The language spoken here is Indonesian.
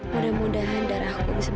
mudah mudahan darahku bisa menyelamatkan papa